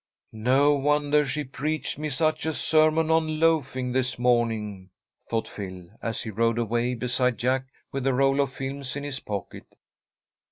"No wonder she preached me such a sermon on loafing, this morning," thought Phil, as he rode away beside Jack, with the roll of films in his pocket.